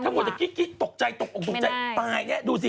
หมดแต่กิ๊กตกใจตกออกตกใจตายแน่ดูสิ